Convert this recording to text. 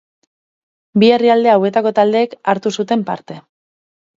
Bi herrialde hauetako taldeek hartu zuten parte.